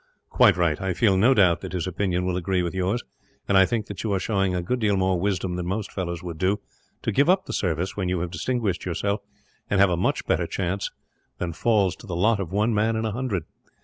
"Quite right. I feel no doubt that his opinion will agree with yours; and I think that you are showing a good deal more wisdom than most fellows would do, to give up the service when you have distinguished yourself, and have a much better chance than falls to the lot of one man in a hundred.